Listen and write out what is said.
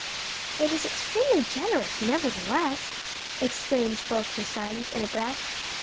"It is extremely generous, nevertheless!" exclaimed both her sons in a breath.